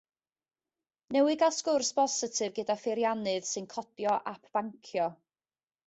Newydd gael sgwrs bositif gyda pheiriannydd sy'n codio ap bancio.